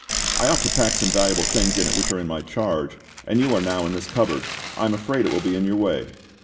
I ought to pack some valuable things in it which are in my charge, and are now in this cupboard. I am afraid it will be in your way."